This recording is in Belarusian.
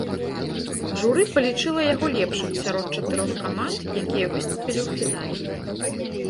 Журы палічыла яго лепшым сярод чатырох каманд, якія выступілі ў фінале.